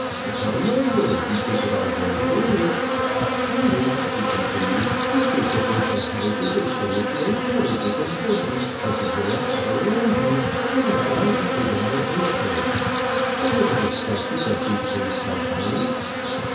"Upon my word, you take it all very coolly," he continued; "you seem to think that houses, and furniture, and carriages, and horses are to grow up all round you without any effort on your own part. Does it ever strike you that these things cost money?"